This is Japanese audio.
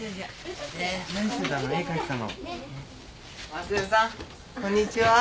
昌代さんこんにちは。